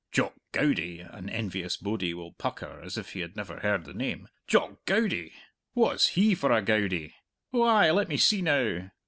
"Jock Goudie" an envious bodie will pucker as if he had never heard the name "Jock Goudie? Wha's he for a Goudie? Oh ay, let me see now.